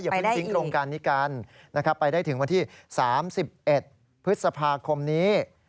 ไปได้อีกนะครับไปได้ถึงวันที่๓๑พฤษภาคมนี้